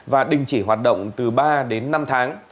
và đình chỉ hoạt động từ ba đến năm tháng